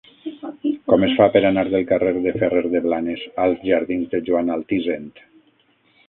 Com es fa per anar del carrer de Ferrer de Blanes als jardins de Joan Altisent?